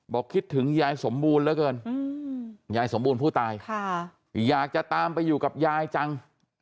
คิดถึงยายสมบูรณ์เหลือเกินยายสมบูรณ์ผู้ตายอยากจะตามไปอยู่กับยายจัง